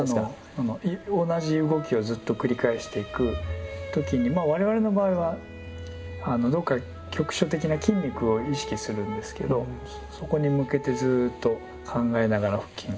同じ動きをずっと繰り返していく時に我々の場合はどこか局所的な筋肉を意識するんですけどそこに向けてずっと考えながら続けていくとか。